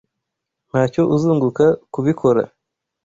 Ntacyo uzunguka kubikora.